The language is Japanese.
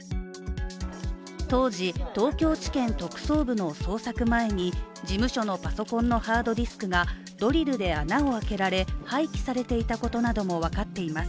当時、東京地検特捜部の捜索前に事務所のパソコンのハードディスクがドリルで穴を開けられ廃棄されていたことなども分かっています。